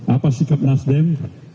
apa sikap nasdem